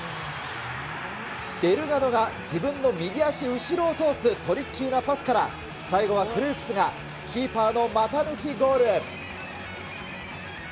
デルガドが自分の右足後ろを通す、トリッキーなパスから最後はクルークスがキーパーの股抜きゴール。